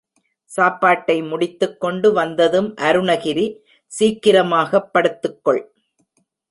சாப்பாட்டை முடித்துக் கொண்டு வந்ததும் அருணகிரி சீக்கிரமாக படுத்துக் கொள்.